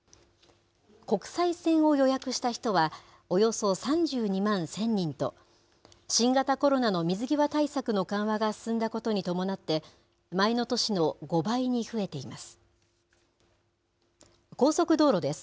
国際線を予約した人はおよそ３２万１０００人と、新型コロナの水際対策の緩和が進んだことに伴って、前の年の５倍に増えています。